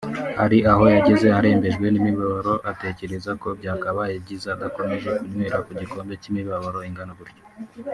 Hari aho yageze arembejwe n’imibabaro atekereza ko byakabaye byiza adakomeje kunywera ku gikombe cy’imibabaro ingana gutyo